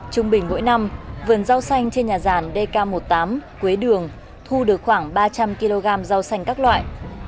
trung bình mỗi năm vườn rau xanh trên nhà ràn dk một mươi tám quế đường thu được khoảng ba trăm linh kg rau xanh các loại